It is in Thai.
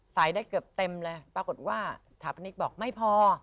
ได้เกือบเต็มเลยปรากฏว่าสถาปนิกบอกไม่พอ